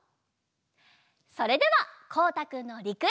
それではこうたくんのリクエストで。